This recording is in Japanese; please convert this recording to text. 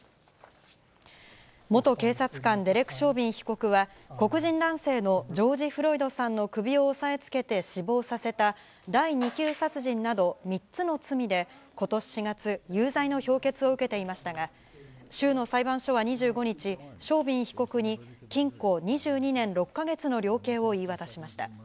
元警察官、デレク・ショービン被告は、黒人男性のジョージ・フロイドさんの首を押さえつけて死亡させた第２級殺人など３つの罪でことし４月、有罪の評決を受けていましたが、州の裁判所は２５日、ショービン被告に禁錮２２年６か月の量刑を言い渡しました。